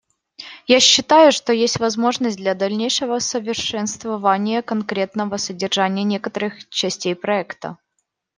Я считаю, что есть возможность для дальнейшего совершенствования конкретного содержания некоторых частей проекта.